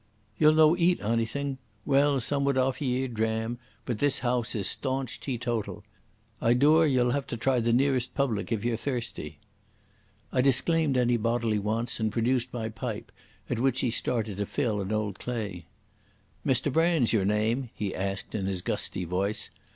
"Ye'll no eat onything? Well, some would offer ye a dram, but this house is staunch teetotal. I door ye'll have to try the nearest public if ye're thirsty." I disclaimed any bodily wants, and produced my pipe, at which he started to fill an old clay. "Mr Brand's your name?" he asked in his gusty voice.